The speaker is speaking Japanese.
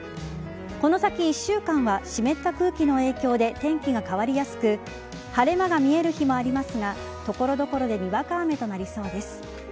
この先１週間は湿った空気の影響で天気が変わりやすく晴れ間が見える日もありますが所々でにわか雨となりそうです。